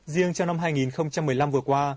riêng trong năm hai nghìn một mươi năm vừa qua